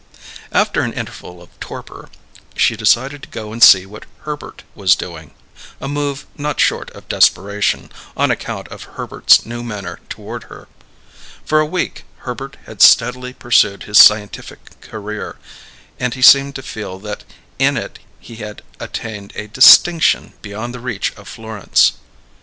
After an interval of torpor, she decided to go and see what Herbert was doing a move not short of desperation, on account of Herbert's new manner toward her. For a week Herbert had steadily pursued his scientific career, and he seemed to feel that in it he had attained a distinction beyond the reach of Florence.